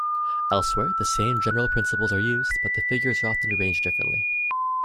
Elsewhere, the same general principles are used, but the figures are often arranged differently.